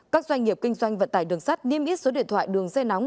các doanh nghiệp kinh doanh vận tải đường sắt niêm yết số điện thoại đường dây nóng